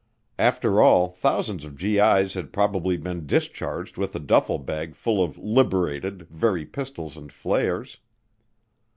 After all, thousands of GI's had probably been discharged with a duffel bag full of "liberated" Very pistols and flares.